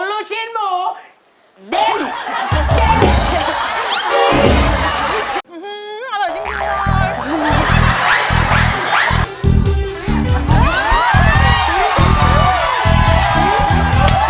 อื้ออร่อยจริงจริงเลย